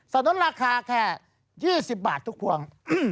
นุนราคาแค่๒๐บาททุกพวง